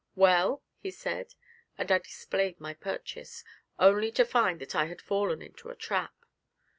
'Well?' he said, and I displayed my purchase, only to find that I had fallen into a trap.